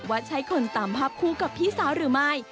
ว่าใช่คนตามภาพคู่กับพี่สาวหรือไม่